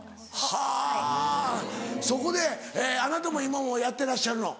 はぁそこであなたも今もやってらっしゃるの？